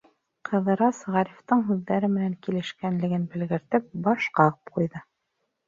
Ҡыҙырас, Ғарифтың һүҙҙәре менән килешкәнлеген белгертеп, баш ҡағып ҡуйҙы.